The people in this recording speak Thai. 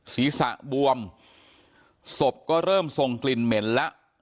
ศีรษะบวมศพก็เริ่มทรงกลิ่นเหม็นแล้ว